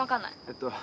えっと。